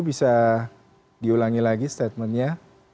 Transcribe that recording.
bisa diulangi lagi statementnya